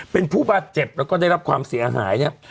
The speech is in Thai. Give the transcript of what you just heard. เป็นผู้บาดเจ็บแล้วก็ได้รับความเสียหายเนี่ย